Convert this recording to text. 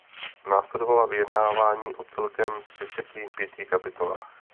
Následovala vyjednávání o celkem třiceti pěti kapitolách.